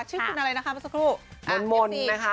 ชื่อคุณอะไรนะคะเมื่อสักครู่คุณเมซีนะคะ